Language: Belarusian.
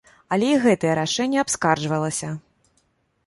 Але і гэтае рашэнне абскарджвалася!